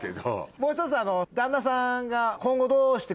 もう一つ旦那さんが。